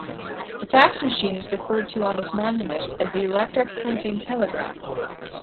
The fax machine is referred to on this monument as "The Electric Printing Telegraph".